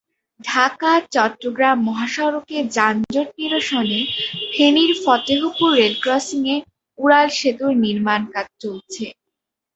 ঢাকা চট্টগ্রাম মহাসড়কে যানজট নিরসনে ফেনীর ফতেহপুর রেলক্রসিংয়ে উড়ালসেতুর নির্মাণকাজ চলছে।